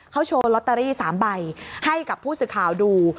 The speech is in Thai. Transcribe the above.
เขาโชว์ลอตเตอรี่๓ใบให้กับผู้สื่อข่าวดู